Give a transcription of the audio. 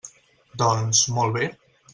Doncs, molt bé.